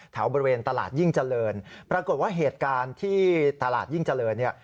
แถวบริเวณตลาดยิ่งเจริญปรากฏว่าเหตุการณ์ที่ตลาดยิ่งเจริญเนี่ย